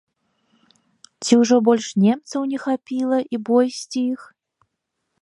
Ці ўжо больш немцаў не хапіла, і бой сціх?